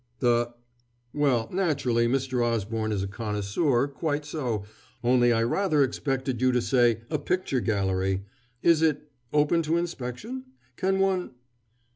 "The ! Well, naturally, Mr. Osborne is a connoisseur quite so, only I rather expected you to say 'a picture gallery.' Is it open to inspection? Can one